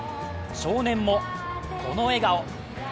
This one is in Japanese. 少年もこの笑顔。